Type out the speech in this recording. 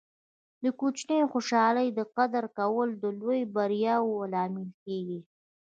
د کوچنیو خوشحالۍو قدر کول د لویو بریاوو لامل کیږي.